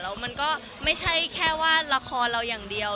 แล้วมันก็ไม่ใช่แค่ว่าละครเราอย่างเดียว